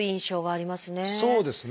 そうですね。